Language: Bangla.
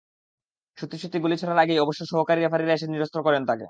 সত্যি সত্যি গুলি ছোড়ার আগেই অবশ্য সহকারী রেফারিরা এসে নিরস্ত করলেন তাঁকে।